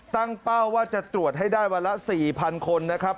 เป้าว่าจะตรวจให้ได้วันละ๔๐๐คนนะครับ